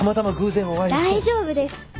大丈夫です。